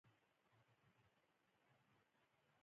په اقتصادي فعالیتونو کې ګډون کولای شي.